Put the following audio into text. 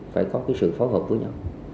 phải có sự phối hợp với nhau